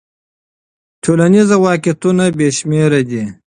ټولنیز واقعیتونه بې شمېره دي.